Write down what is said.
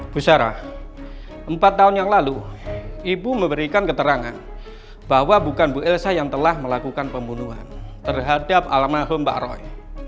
bu sarah empat tahun yang lalu ibu memberikan keterangan bahwa bukan bu elsa yang telah melakukan pembunuhan terhadap almarhum mbak roy